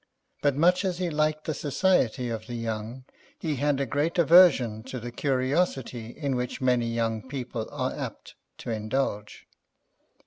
But much as he liked the society of the young, he had a great aversion to that curiosity in which many young people are apt to indulge.